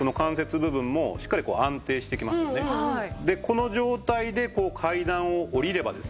この状態で階段を下りればですね